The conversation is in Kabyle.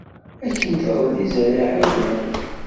Akken tɣelli zzarriɛa i tmeɣɣi.